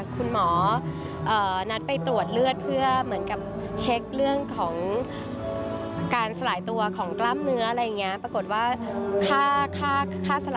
คุณหมอนัดไปตรวจเลือดเพื่อเหมือนกับเช็คเรื่องของ